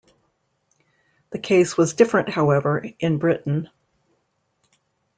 The case was different, however, in Britain.